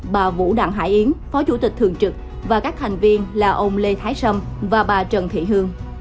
bà vũ đảng hải yến phó chủ tịch thường trực và các thành viên là ông lê thái sâm và bà trần thị hương